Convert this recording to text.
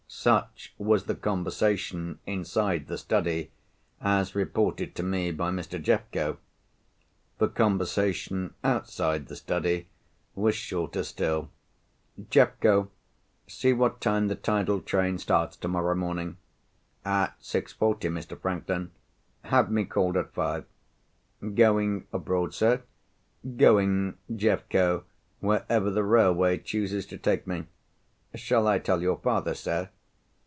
Such was the conversation, inside the study, as reported to me by Mr. Jeffco. The conversation outside the study, was shorter still. "Jeffco, see what time the tidal train starts tomorrow morning." "At six forty, Mr. Franklin." "Have me called at five." "Going abroad, sir?" "Going, Jeffco, wherever the railway chooses to take me." "Shall I tell your father, sir?"